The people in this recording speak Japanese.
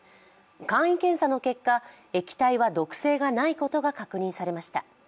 簡易検査の結果、液体は毒性がないことが確認されました。